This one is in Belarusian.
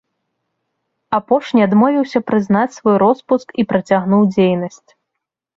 Апошні адмовіўся прызнаць свой роспуск і працягнуў дзейнасць.